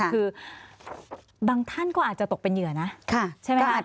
คือบางท่านก็อาจจะตกเป็นเหยื่อน่ะค่ะใช่ไหมคะใช่ไหมคะ